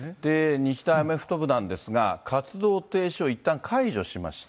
日大アメフト部なんですが、活動停止をいったん解除しました。